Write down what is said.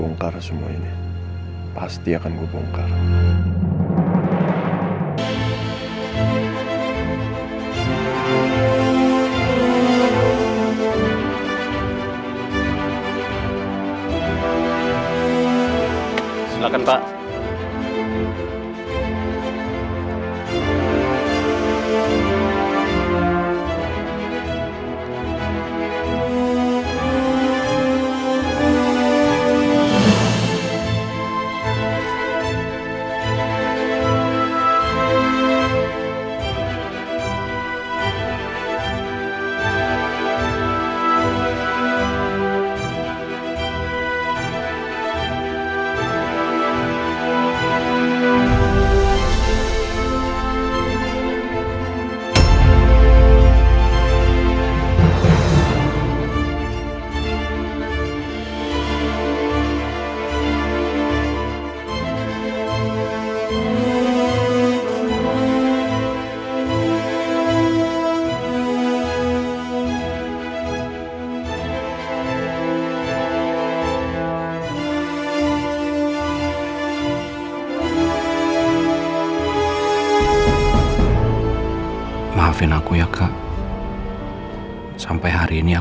gue akan bongkar semua ini